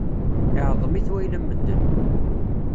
Iɛḍem-it wayla n medden.